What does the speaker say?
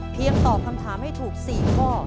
เพียงตอบคำถามให้ถูก๔ข้อ